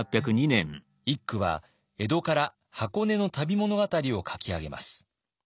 一九は江戸から箱根の旅物語を書き上げます。